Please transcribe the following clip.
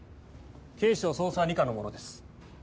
・警視庁捜査二課の者です。